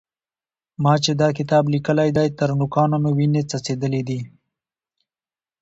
ما چې دا کتاب لیکلی دی؛ تر نوکانو مې وينې څڅېدلې دي.